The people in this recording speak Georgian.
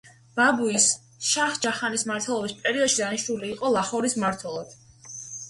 ბაბუის, შაჰ-ჯაჰანის მმართველობის პერიოდში დანიშნული იყო ლაჰორის მმართველად.